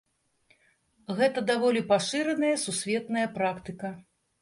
Гэта даволі пашыраная сусветная практыка.